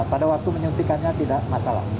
pada waktu menyuntikannya tidak masalah